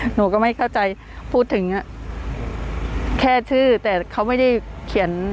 หนูก็ไม่เข้าใจพูดถึงอ่ะแค่ชื่อแต่เขาไม่ได้เขียน